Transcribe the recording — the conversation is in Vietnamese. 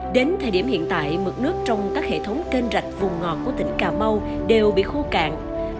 đến thời điểm hiện tại mực nước trong các hệ thống kênh rạch vùng ngọt của tỉnh cà mau đều bị khô cạn